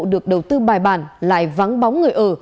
được đầu tư bài bản lại vắng bóng người ở